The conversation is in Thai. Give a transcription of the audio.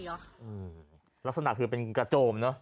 ลักษณะคือเป็นกระโจมเนอะ